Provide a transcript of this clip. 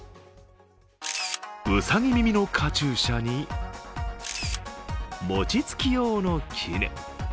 うさぎ耳のカチューシャに、餅つき用のきね。